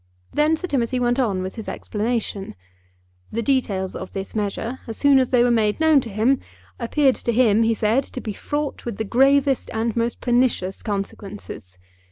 Then Sir Timothy went on with his explanation. The details of this measure, as soon as they were made known to him, appeared to him, he said, to be fraught with the gravest and most pernicious consequences.